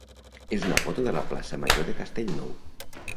és una foto de la plaça major de Castellnou.